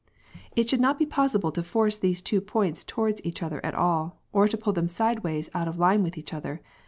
It should not be possible to force these two points towards each other at all, or to pull them sideways out of line with each other.